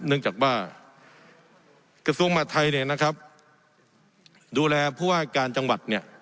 เนื่องจากว่ากระทรวงมหาธัยเนี่ยนะครับดูแลผู้ว่าการจังหวัดเนี่ย